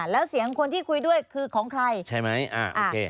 แล้วเสียงคนที่คุยด้วยคือของใครใช่ไหมอ่าโอเค